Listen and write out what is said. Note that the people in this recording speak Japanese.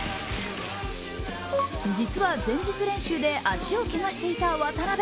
実は前日練習で足をけがしていた渡辺。